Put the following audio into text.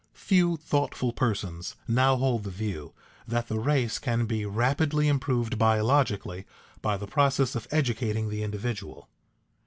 [Sidenote: Nature vs. culture] Few thoughtful persons now hold the view that the race can be rapidly improved biologically by the process of educating the individual.